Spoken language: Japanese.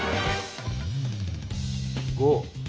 ５。